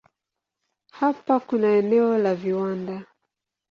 Hapa kuna eneo la viwanda.